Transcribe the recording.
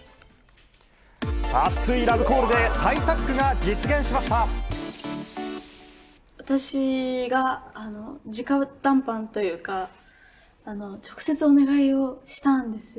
熱いラブコールで再タッグが私が、じか談判というか、直接お願いをしたんですよ。